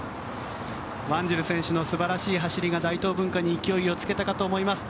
ワンジル選手の素晴らしい走りが大東文化に勢いをつけたかと思います。